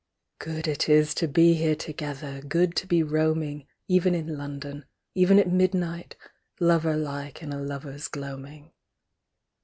Good it is to be here together. Good to be roaming. Even in London, even at midnight, Lover like in a lover's gloaming.